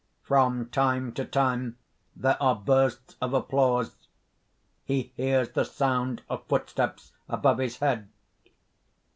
From time to time there are bursts of applause. He hears the sound of footsteps above his head.